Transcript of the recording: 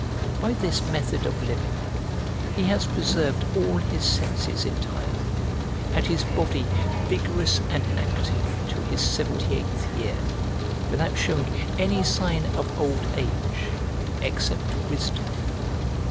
By this method of living he has preserved all his senses entire, and his body vigorous and active to his seventy eighth year, without showing any sign of old age except wisdom.